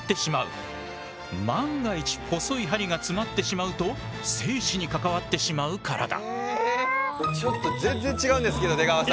万が一細い針が詰まってしまうと生死に関わってしまうからだ。